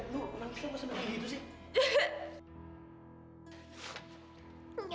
lu emang kenapa semakin begitu sih